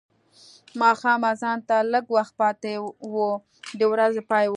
ماښام اذان ته لږ وخت پاتې و د ورځې پای و.